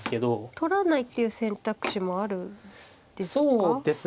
取らないっていう選択肢もあるんですか。